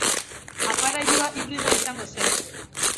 Aparailua hibridoa izango da.